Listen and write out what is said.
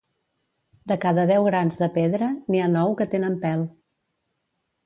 De cada deu grans de pedra, n'hi ha nou que tenen pèl.